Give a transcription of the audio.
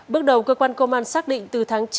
bước đầu cơ quan công an xác định từ tháng chín